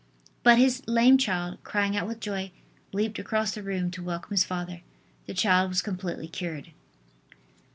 But his lame child, crying out with joy, leaped across the room to welcome his father. The child was completely cured.